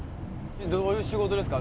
どういう仕事ですか？